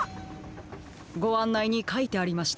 ごあんないにかいてありましたよ。